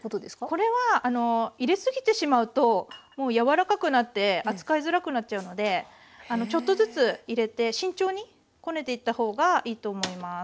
これは入れすぎてしまうともう柔らかくなって扱いづらくなっちゃうのでちょっとずつ入れて慎重にこねていった方がいいと思います。